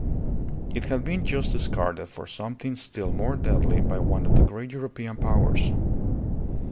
It had been just discarded for something still more deadly by one of the great European powers.